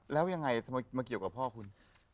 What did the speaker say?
แล้วยังไงทำไมมาเกี่ยวกับพ่อคุณ